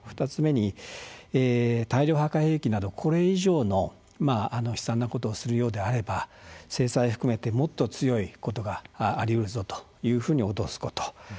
２つ目に大量破壊兵器などこれ以上の悲惨なことをするようであれば制裁を含めてもっと強いことがありうるぞと脅すこと。